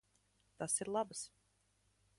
Tas ir labas.